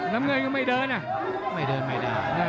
น้ำเงินก็ไม่เดินอ่ะไม่เดินไม่ได้